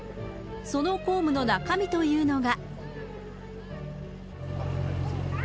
その公務の中身というのが。